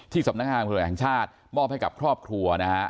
สำนักงานตำรวจแห่งชาติมอบให้กับครอบครัวนะฮะ